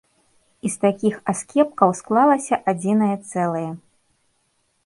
І з такіх аскепкаў склалася адзінае цэлае.